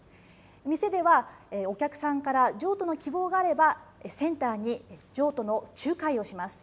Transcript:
店ではお客さんから譲渡の希望があれば、センターに譲渡の仲介をします。